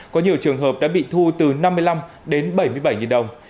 có nhiều trường hợp đã bị thu từ năm mươi năm đến bảy mươi bảy đồng